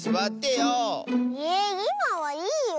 いまはいいよ。